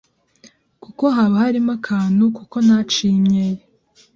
kuko haba harimo akantu kuko ntaciye imyeyo